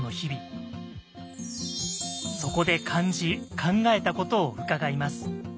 そこで感じ考えたことを伺います。